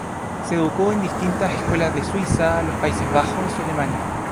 Se educó en distintas escuelas de Suiza, los Países Bajos y Alemania.